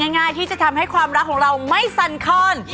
ง่ายที่จะทำให้ความรักของเราไม่สันคอน